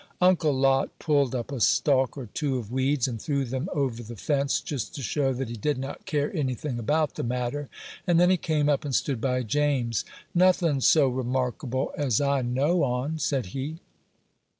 Uncle Lot pulled up a stalk or two of weeds, and threw them over the fence, just to show that he did not care any thing about the matter; and then he came up and stood by James. "Nothin' so remarkable, as I know on," said he.